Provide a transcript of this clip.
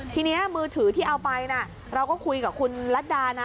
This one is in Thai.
ทีนี้มือถือที่เอาไปนะเราก็คุยกับคุณรัฐดานะ